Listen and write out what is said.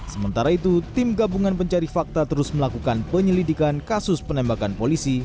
sementara itu tim gabungan pencari fakta terus melakukan penyelidikan kasus penembakan polisi